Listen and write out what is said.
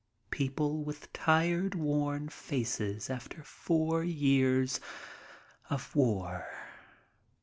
People with tired, worn faces after four years of war